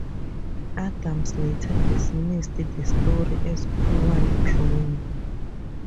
Adams later dismissed the story as poorly drawn.